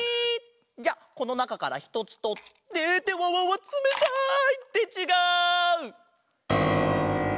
じゃあこのなかからひとつとってってわわわつめたい！ってちがう！